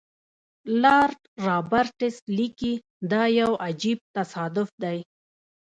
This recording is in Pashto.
لارډ رابرټس لیکي دا یو عجیب تصادف دی.